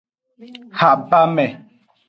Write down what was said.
Habame.